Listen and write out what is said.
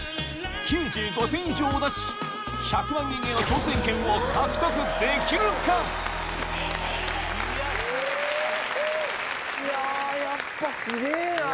９５点以上を出し１００万円への挑戦権を獲得できるか⁉いやすげぇ。